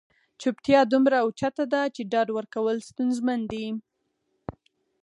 چوپتیا دومره اوچته ده چې ډاډ ورکول ستونزمن دي.